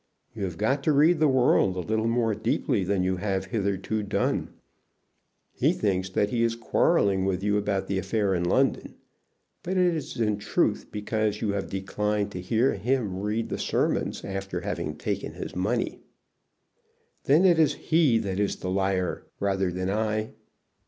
You have got to read the world a little more deeply than you have hitherto done. He thinks that he is quarrelling with you about the affair in London, but it is in truth because you have declined to hear him read the sermons after having taken his money." "Then it is he that is the liar rather than I."